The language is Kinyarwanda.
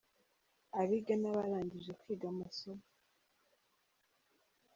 Abiga n’abarangije kwiga amasomo.